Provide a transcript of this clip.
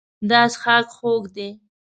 دا څښاک خوږ دی.